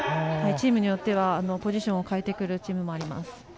チームによってはポジションを変えてくるチームもあります。